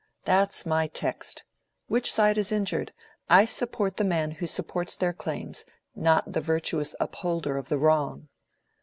That's my text—which side is injured? I support the man who supports their claims; not the virtuous upholder of the wrong."